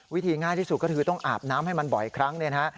วิธีง่ายที่สุดก็คือต้องอาบน้ำให้มันบ่อยครั้งเนี่ยนะฮะ